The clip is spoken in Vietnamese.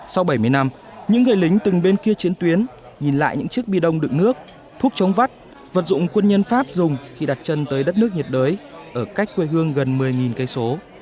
sau bảy mươi năm những người lính từng bên kia chiến tuyến nhìn lại những chiếc bi đông đựng nước thuốc chống vắt vật dụng quân nhân pháp dùng khi đặt chân tới đất nước nhiệt đới ở cách quê hương gần một mươi km